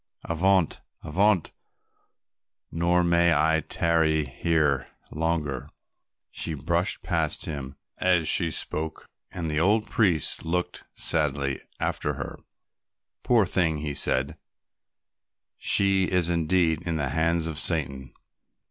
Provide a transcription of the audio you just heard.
Avaunt, avaunt, nor may I tarry here longer." She brushed past him as she spoke, and the old priest looked sadly after her. "Poor thing," he said, "she is indeed in the hands of Satan."